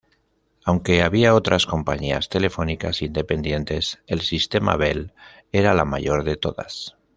Aunque había otras compañías telefónicas independientes, el Sistema Bell era la mayor de todas.